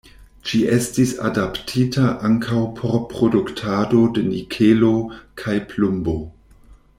Ĝi estis adaptita ankaŭ por produktado de nikelo kaj plumbo.